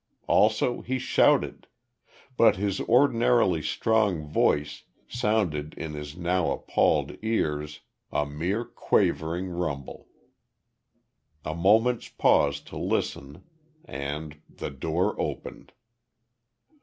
Also he shouted, but his ordinarily strong voice sounded in his now appalled ears a mere quavering rumble. A moment's pause to listen, and the door opened.